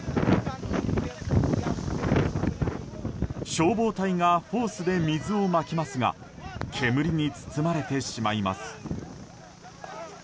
消防隊がホースで水をまきますが煙に包まれてしまいます。